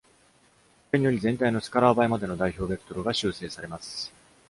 これにより、全体のスカラー倍までの代表ベクトルが修正されます。